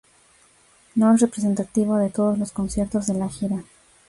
No es representativo de todos los conciertos de la gira.